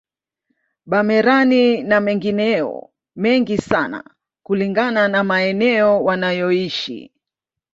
Bamerani na mengineyo mengi sana kulingana na maeneo wanayoishi